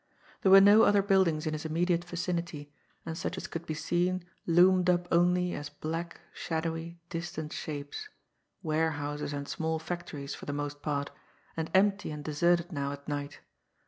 There were no other buildings in his immediate vicinity, and such as could be seen loomed up only as black, shadowy, distant shapes warehouses and small factories, for the most part, and empty and deserted now at night.